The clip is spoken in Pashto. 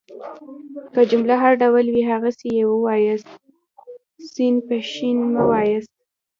که جمله هر ډول وي هغسي يې وایاست. س په ش مه واياست.